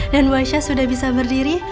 dan bu aisyah sudah bisa berdiri